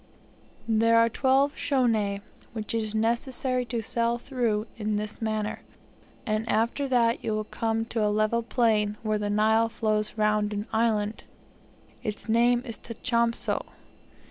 There are twelve schoeni, which it is necessary to sail through in this manner; and after that you will come to a level plain, where the Nile flows round an island; its name is Tachompso.